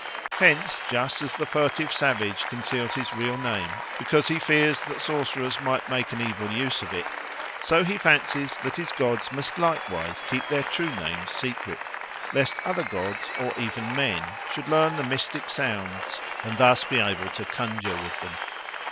Hence just as the furtive savage conceals his real name because he fears that sorcerers might make an evil use of it, so he fancies that his gods must likewise keep their true name secret, lest other gods or even men should learn the mystic sounds and thus be able to conjure with them.